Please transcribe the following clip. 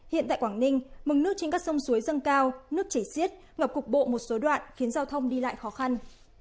hiện tại quảng ninh mừng nước trên các sông suối dâng cao nước chảy xiết ngập cục bộ một số đoạn khiến giao thông đi lại khó khăn